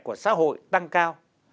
của xã hội tăng cao